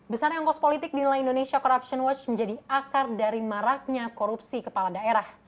besar yang ongkos politik di nilai indonesia corruption watch menjadi akar dari maraknya korupsi kepala daerah